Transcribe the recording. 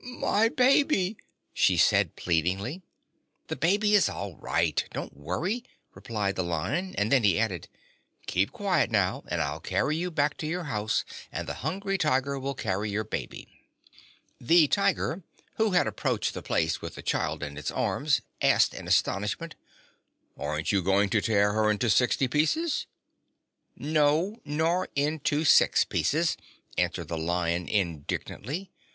"My baby!" she said pleadingly. "The baby is all right; don't worry," replied the Lion; and then he added: "Keep quiet, now, and I'll carry you back to your house, and the Hungry Tiger will carry your baby." The Tiger, who had approached the place with the child in its arms, asked in astonishment: "Aren't you going to tear her into sixty pieces?" "No, nor into six pieces," answered the Lion indignantly.